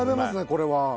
これは。